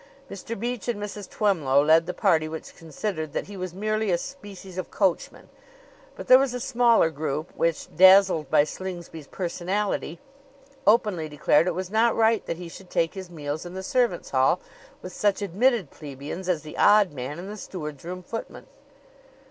Mr. Beach and Mrs. Twemlow led the party which considered that he was merely a species of coachman; but there was a smaller group which, dazzled by Slingsby's personality, openly declared it was not right that he should take his meals in the servants' hall with such admitted plebeians as the odd man and the steward's room footman.